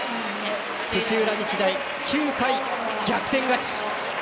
土浦日大、９回逆転勝ち。